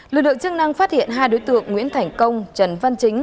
lực lượng chức năng phát hiện hai đối tượng nguyễn thành công trần văn chính